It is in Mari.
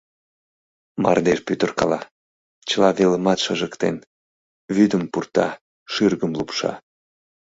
Мардеж пӱтыркала, чыла велымат шыжыктен, вӱдым пурта, шӱргым лупша.